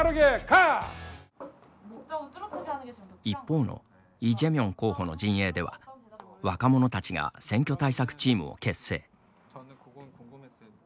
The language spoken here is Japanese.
一方のイ・ジェミョン候補の陣営では、若者たちが選挙対策チームを結成。